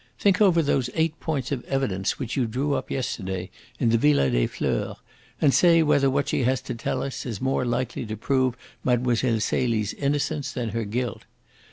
Think over those eight points of evidence which you drew up yesterday in the Villa des Fleurs, and say whether what she has to tell us is more likely to prove Mlle. Celie's innocence than her guilt.